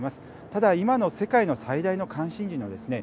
ただ、今の世界の最大の関心事のですね